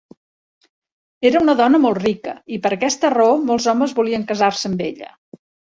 Era una dona molt rica i per aquesta raó molts homes volien casar-se amb ella.